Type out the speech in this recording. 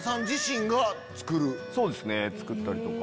そうですね作ったりとか。